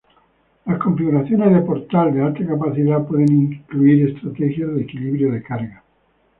Las configuraciones de portal de alta capacidad pueden incluir estrategias de equilibrio de carga.